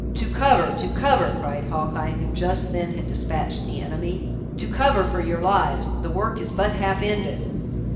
"To cover! to cover!" cried Hawkeye, who just then had despatched the enemy; "to cover, for your lives! the work is but half ended!"